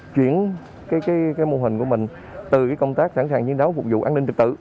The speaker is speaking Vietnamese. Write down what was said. chúng cái mô hình của mình từ cái công tác sẵn sàng chiến đấu phục vụ an ninh trật tự